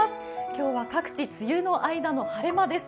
今日は各地、梅雨の間の晴れ間です。